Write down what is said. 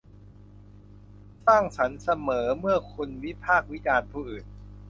สร้างสรรค์เสมอเมื่อคุณวิพากษ์วิจารณ์ผู้อื่น